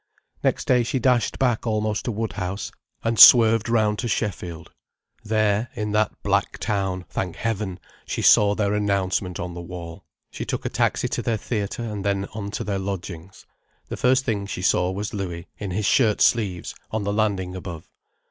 Next day she dashed back almost to Woodhouse, and swerved round to Sheffield. There, in that black town, thank heaven, she saw their announcement on the wall. She took a taxi to their theatre, and then on to their lodgings. The first thing she saw was Louis, in his shirt sleeves, on the landing above.